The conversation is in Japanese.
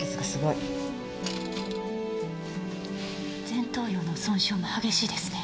前頭葉の損傷も激しいですね。